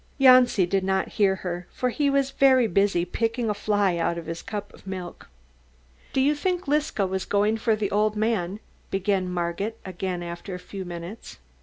Janci did not hear her, for he was very busy picking a fly out of his milk cup. "Do you think Liska was going for the old man?" began Margit again after a few minutes.